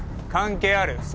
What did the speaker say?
関係ある。